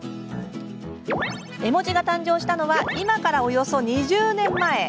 絵文字が誕生したのは今からおよそ２０年前。